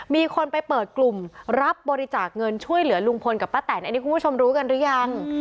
มีคนไปเปิดกลุ่มรับบริจาคเงินช่วยเหลือลุงพลกับป้าแตนอันนี้คุณผู้ชมรู้กันหรือยัง